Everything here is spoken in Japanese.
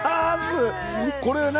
これは何？